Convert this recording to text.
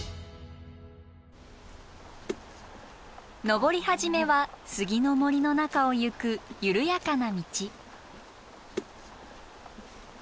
登り始めはスギの森の中をゆく緩やかな道。